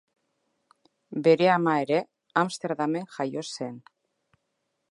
Bere ama ere, Amsterdamen jaio zen.